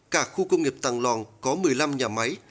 cả khu công nghiệp tàng lòng có một mươi năm nhà máy